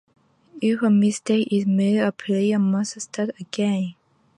If a mistake is made a player must start again.